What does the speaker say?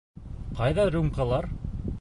Ҡайҙа рюмкалар?